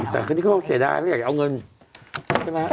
แต่พอแพ้แผลเขาเสียดายว่าอยากจะเอาเงินใช่ไหมครับ